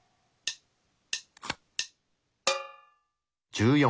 １４。